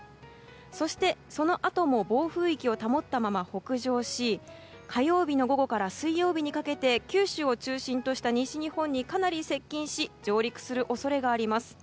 そして、そのあとも暴風域を保ったまま北上し火曜日の午後から水曜日にかけて九州を中心とした西日本にかなり接近し上陸する恐れがあります。